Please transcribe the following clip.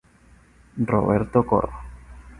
Roberto Corro.